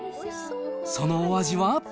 そのお味は？